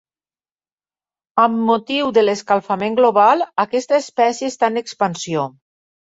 Amb motiu de l'escalfament global, aquesta espècie està en expansió.